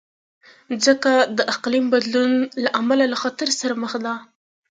مځکه د اقلیم بدلون له امله له خطر سره مخ ده.